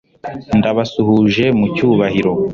ndabasuhuje mu cyubahiro